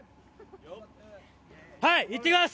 はい、いってきます。